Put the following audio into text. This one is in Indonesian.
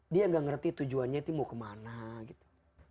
dia gak ngerti tujuannya itu mau kemana gitu